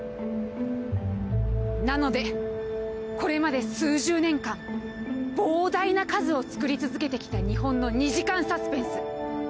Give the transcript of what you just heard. なのでこれまで数十年間膨大な数を作り続けてきた日本の２時間サスペンス